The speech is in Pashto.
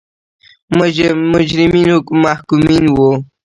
مجرمین محکومین وو.